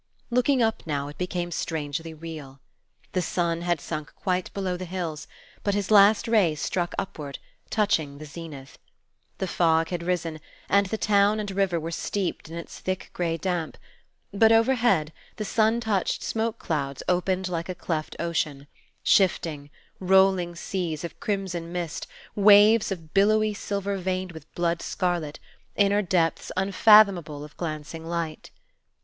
Looking up now, it became strangely real. The sun had sunk quite below the hills, but his last rays struck upward, touching the zenith. The fog had risen, and the town and river were steeped in its thick, gray damp; but overhead, the sun touched smoke clouds opened like a cleft ocean, shifting, rolling seas of crimson mist, waves of billowy silver veined with blood scarlet, inner depths unfathomable of glancing light.